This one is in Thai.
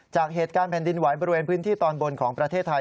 จากเหตุการณ์แผ่นดินไหวบริเวณพื้นที่ตอนบนของประเทศไทย